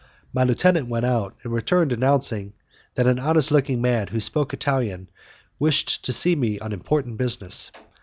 My lieutenant went out, and returned announcing that an honest looking man, who spoke Italian, wished to see me on important business.